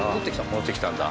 戻ってきたんだ